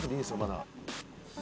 まだ。